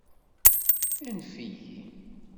Anef-iyi.